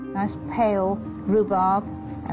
はい。